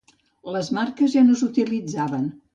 Les maraques ja no s'utilitzen.